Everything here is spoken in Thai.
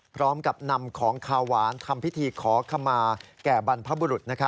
พร้อมกับนำของขาวหวานทำพิธีขอขมาแก่บรรพบุรุษ